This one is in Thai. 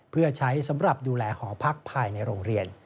เพื่อใช้สำหรับดูแลหอพักภายในโรงเรียน